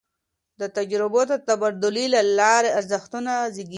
د تجربو د تبادلې له لاري ارزښتونه زېږي.